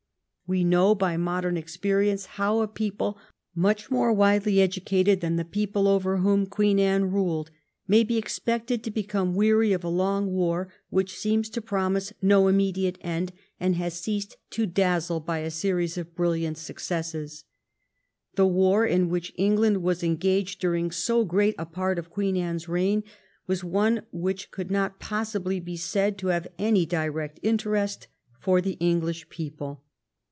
We know by modem experience how a people, much more widely educated than the people over whom Queen Anne ruled, may be expected to become weary of a long war which seems to promise no immediate end, and has ceased to dazzle by a succession of brilliant successes. The war in which England was engaged during so great a part of Queen Anne's reign was one which could not possibly be said to have any direct interest for the English people.